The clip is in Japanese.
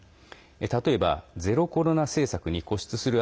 例えば、ゼロコロナ政策に固執する